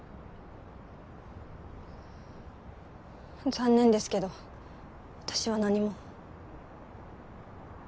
残念ですけど私は何も。